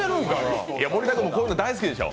森田君もこういうの大好きでしょ？